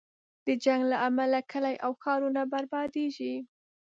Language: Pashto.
د جنګ له امله کلی او ښارونه بربادېږي.